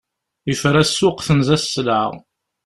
Yefra ssuq, tenza sselɛa.